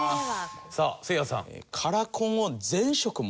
さあせいやさん。